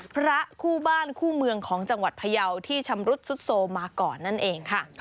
พระคู่บ้านคู่เมืองของจังหวัดพยาวที่ชำรุดสุดโทรมาก่อนนั่นเองค่ะ